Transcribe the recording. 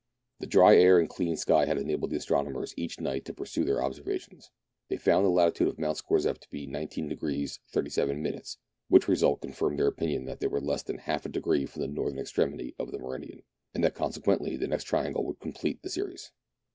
The dry air and clear sky had enabled the astronomers each night to pursue their observations. They had found the latitude of Mount Scorzef to be 19° 37', which result confirmed their opinion that they were less than half a degree from the northern extremity of their meridian, and that consequently the next triangle would complete the series.